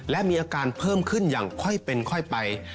และมีอาการเพิ่มขึ้นอย่างค่อยเป็นค่อยไป